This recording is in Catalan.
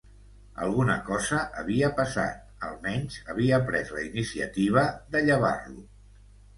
Alguna cosa havia passat, almenys havia pres la iniciativa de llevar-lo.